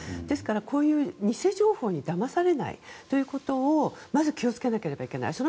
ですから、こういう偽情報にだまされないということをまず気をつけなければいけない。